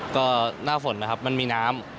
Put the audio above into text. ก็หน้าฝนนะครับมันมีน้ำ